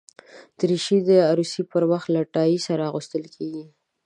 دریشي د عروسي پر وخت له ټای سره اغوستل کېږي.